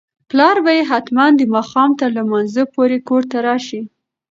پلار به یې حتماً د ماښام تر لمانځه پورې کور ته راشي.